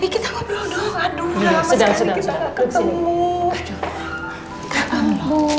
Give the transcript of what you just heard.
kita kapan terakhir ketemu